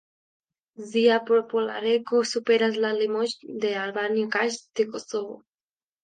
Ŝia populareco superas la limojn de Albanio kaj de Kosovo.